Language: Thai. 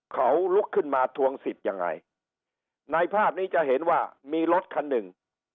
เขาลุกขึ้นมาทวงสิทธิ์ยังไงในภาพนี้จะเห็นว่ามีรถคันหนึ่ง